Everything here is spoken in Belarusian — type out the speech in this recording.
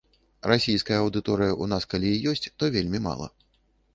Расійская аўдыторыя ў нас калі і ёсць, то вельмі мала.